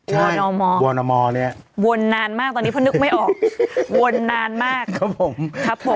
ใช่วอนอมอร์เนี่ยวนนานมากตอนนี้เพราะนึกไม่ออกวนนานมากครับผม